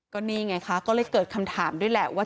ก็นี่ไงคะก็เลยเกิดคำถามด้วยแหละว่า